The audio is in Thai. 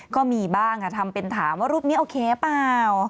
ก็มีบ้างทำเป็นถามว่ารูปนี้โอเคเปล่า